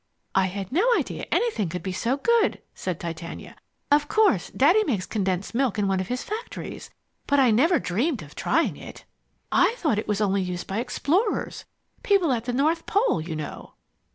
"I had no idea anything could be so good," said Titania. "Of course, Daddy makes condensed milk in one of his factories, but I never dreamed of trying it. I thought it was only used by explorers, people at the North Pole, you know."